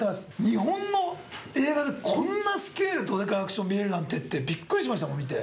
日本の映画でこんなスケールどでかいアクション見れるなんてってビックリしましたもん見て。